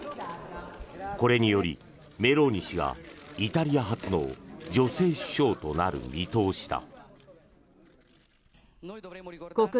これにより、メローニ氏がイタリア初の女性首相となる見通しだ。